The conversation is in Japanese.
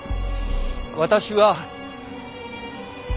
私は。